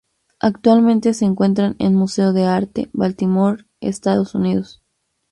Actualmente, se encuentra en Museo de Arte, Baltimore, Estados Unidos.